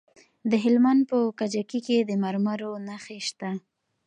د هلمند په کجکي کې د مرمرو نښې شته.